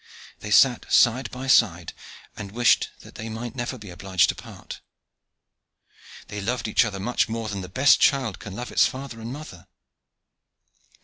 They sat side by side, and wished that they might never be obliged to part. They loved each other much more than the best child can love its father and mother.